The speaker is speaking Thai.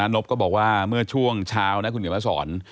ซึ่งบอยน็อปบอกว่าเมื่อช่วงเช้าคุณเหนียวมาสอน